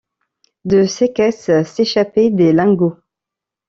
De ces caisses s’échappaient des lingots.